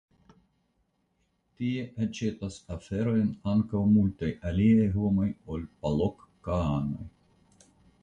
Tie aĉetas aferojn ankaŭ multaj aliaj homoj ol palokkaanoj.